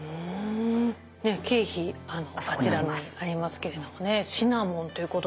ねっ桂皮あちらにありますけれどもシナモンということで。